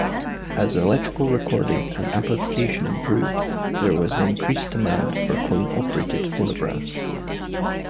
As electrical recording and amplification improved there was increased demand for coin-operated phonographs.